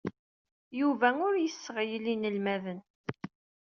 Yuba ur yesseɣyel inelmaden.